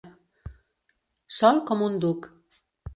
Sol com un duc.